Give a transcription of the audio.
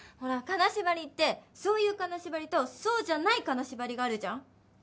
金縛りってそういう金縛りとそうじゃない金縛りがあるじゃん。